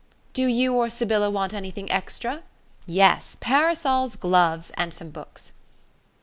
"Do you or Sybylla want anything extra?" "Yes; parasols, gloves, and some books."